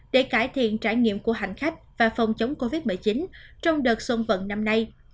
để cải thiện trải nghiệm của hành khách và phòng chống covid một mươi chín trong đợt xuân vận năm nay